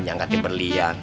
yang gak diberlian